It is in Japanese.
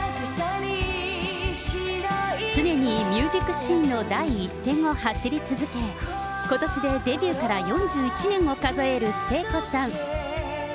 常にミュージックシーンの第一線を走り続け、ことしでデビューから４１年を数える聖子さん。